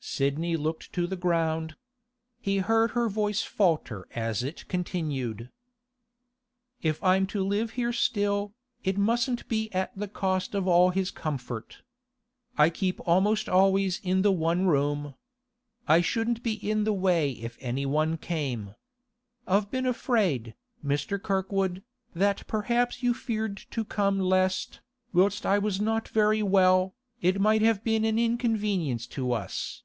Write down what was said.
Sidney looked to the ground. He heard her voice falter as it continued. 'If I'm to live here still, it mustn't be at the cost of all his comfort. I keep almost always in the one room. I shouldn't be in the way if anyone came. I've been afraid, Mr. Kirkwood, that perhaps you feared to come lest, whilst I was not very well, it might have been an inconvenience to us.